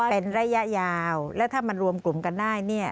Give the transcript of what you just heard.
เป็นระยะยาวแล้วถ้ามันรวมกลุ่มกันได้เนี่ย